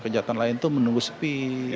kejahatan lain itu menunggu sepi